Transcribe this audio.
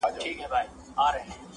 خو بلوړ که مات سي ډېري یې ټوټې وي.